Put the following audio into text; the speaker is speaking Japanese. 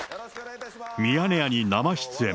ミヤネ屋に生出演。